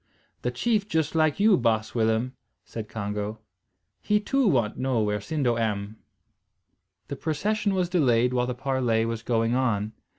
"The chief just like you, baas Willem," said Congo. "He too want know where Sindo am." The procession was delayed while the parley was going on.